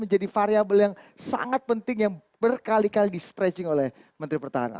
jadi variable yang sangat penting yang berkali kali di stretching oleh menteri pertahanan